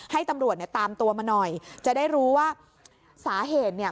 ให้ตำรวจเนี่ยตามตัวมาหน่อยจะได้รู้ว่าสาเหตุเนี่ย